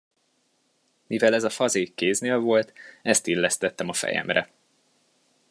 Mivel ez a fazék kéznél volt, ezt illesztettem a fejemre.